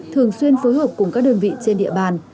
thường xuyên phối hợp cùng các đơn vị trên địa bàn